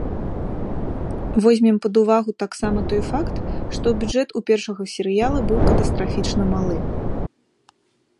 Возьмем пад увагу таксама той факт, што бюджэт у першага серыяла быў катастрафічна малы.